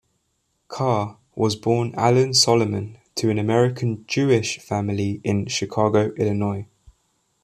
Carr was born Allan Solomon to an American Jewish family in Chicago, Illinois.